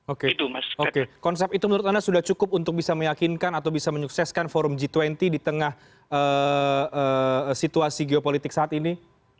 oke oke konsep itu menurut anda sudah cukup untuk bisa meyakinkan atau bisa menyukseskan forum g dua puluh di tengah situasi geopolitik saat ini